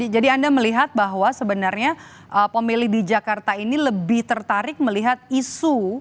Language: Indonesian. jadi anda melihat bahwa sebenarnya pemilih di jakarta ini lebih tertarik melihat isu